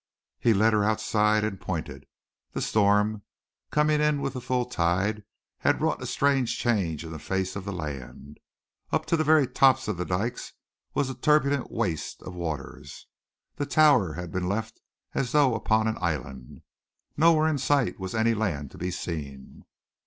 He led her outside and pointed. The storm, coming with the full tide, had wrought a strange change in the face of the land. Up to the very top of the dykes was a turbulent waste of waters. The tower had been left as though upon an island. Nowhere in sight was any land to be seen.